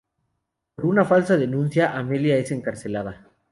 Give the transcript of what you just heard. Por una falsa denuncia, Amelia es encarcelada.